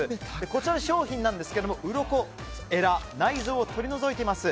こちらの商品ですがうろこ、えら、内臓を取り除いています。